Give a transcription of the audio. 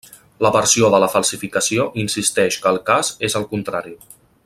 La versió de la falsificació insisteix que el cas és el contrari.